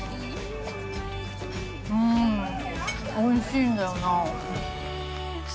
うん、おいしいんだよなぁ。